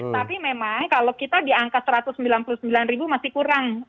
tapi memang kalau kita di angka satu ratus sembilan puluh sembilan ribu masih kurang